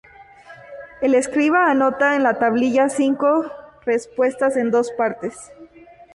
El escriba anota en la tablilla cinco respuestas en dos partes.